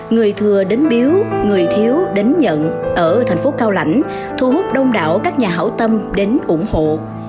người thừa đến biếu người thiếu đến nhận ở thành phố cao lãnh thu hút đông đảo các nhà hảo tâm đến ủng hộ